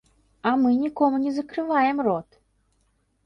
А мы нікому не закрываем рот.